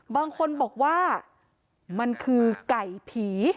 บางคนบอกว่ามันคือไก่ผี